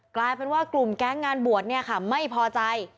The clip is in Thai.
กลายเป็นว่ากลุ่มแก๊งงานบวชเนี่ยค่ะไม่พอใจ